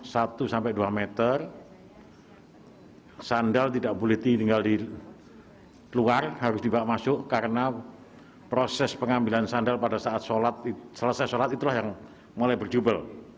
satu sampai dua meter sandal tidak boleh tinggal di luar harus dibawa masuk karena proses pengambilan sandal pada saat sholat selesai sholat itulah yang mulai berjubel